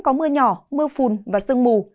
có mưa nhỏ mưa phùn và sương mù